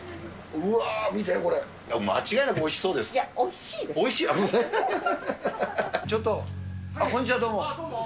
うわー、見て、これ、間違いなくおいしそうです。